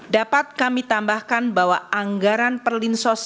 dapat kami tambahkan bahwa anggaran perlinsos